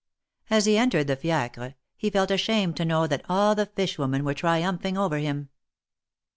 As he entered the fiacre, he felt ashamed to know that all the fish women were tri umphing over him.